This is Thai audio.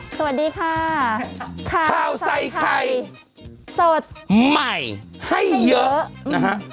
สวัสดีค่ะข้าวใส่ไข่สดใหม่ให้เยอะนะฮะ